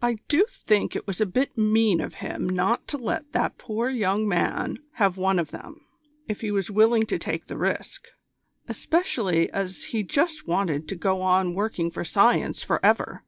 "I do think it was a bit mean of him not to let that poor young man have one of them, if he was willing to take the risk. Especially as he just wanted to go on working for Science for ever.